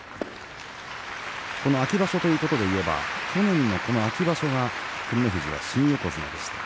秋場所ということで言いますと去年の秋場所は照ノ富士は新横綱でした。